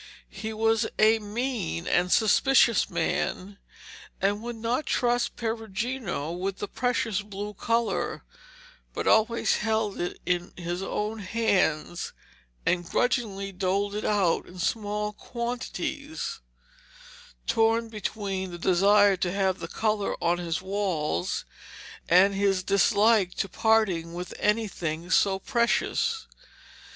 He was a mean, suspicious man, and would not trust Perugino with the precious blue colour, but always held it in his own hands and grudgingly doled it out in small quantities, torn between the desire to have the colour on his walls and his dislike to parting with anything so precious.